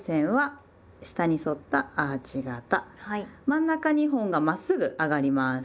真ん中２本がまっすぐ上がります。